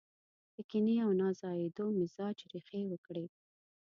د کينې او نه ځايېدو مزاج ريښې وکړي.